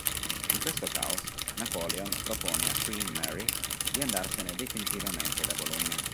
In questo caos, Napoleon propone a Queen Mary di andarsene definitivamente da Bologna.